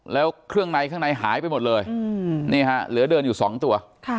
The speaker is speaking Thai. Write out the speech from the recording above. แล้วเครื่องในข้างในหายไปหมดเลยนี่ฮะเหลือเดินอยู่๒ตัว